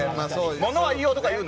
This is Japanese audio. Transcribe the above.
物は言いようとか言うな！